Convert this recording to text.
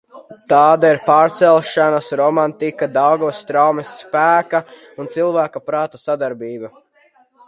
Tāda ir pārcelšanas romantika - Daugavas straumes spēka un cilvēka prāta sadarbība.